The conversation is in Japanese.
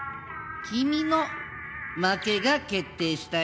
君の負けが決定したよ。